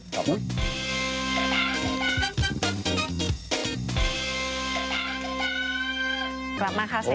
กลับมาค่ะสินค้ากันต่อค่ะ